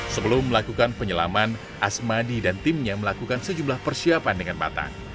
sebelum melakukan penyelaman asmadi dan timnya melakukan sejumlah persiapan dengan matang